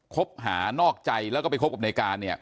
คบหานอกใจแล้วก็ไปคบกับในการ